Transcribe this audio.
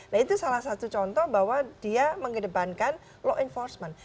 nah itu salah satu contoh bahwa dia mengedepankan law enforcement